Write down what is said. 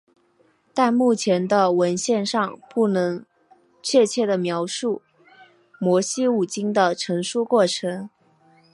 但目前的文献尚不能确切地描述摩西五经的成书过程。